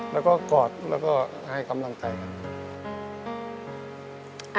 แล้วก็กอดแล้วก็ให้กำลังใจครับ